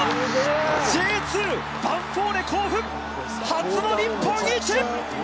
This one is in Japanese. Ｊ２・ヴァンフォーレ甲府、初の日本一。